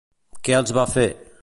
Què els va fer?